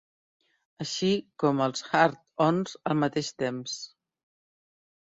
Així com els Hard-Ons al mateix temps.